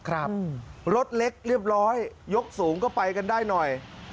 ครับรถเล็กเรียบร้อยยกสูงก็ไปกันได้หน่อย